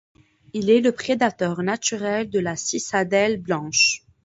Il est le prédateur naturel de la Cicadelle blanche.